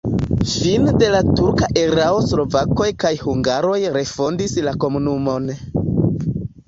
Fine de la turka erao slovakoj kaj hungaroj refondis la komunumon.